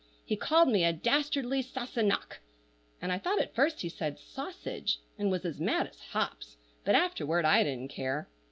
He called me a dastardly Sassenach, and I thought at first he said "sausage," and was as mad as hops, but afterward I didn't care.